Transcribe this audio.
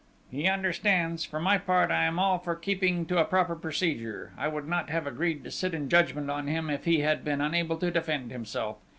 "He understands!... For my part, I am all for keeping to a proper procedure.... I would not have agreed to sit in judgment on him if he had been unable to defend himself....